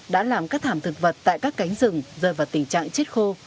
đã làm các thảm thực vật tại các cánh rừng rơi vào tình trạng chết khô